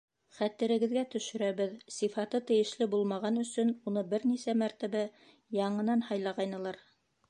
Хәтерегеҙгә төшөрәбеҙ: сифаты тейешле булмаған өсөн уны бер нисә мәртәбә яңынан һалғайнылар.